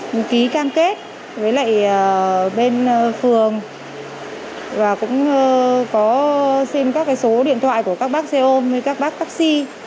lý can kết với lại bên phường và cũng có xin các số điện thoại của các bác xe ôm các bác taxi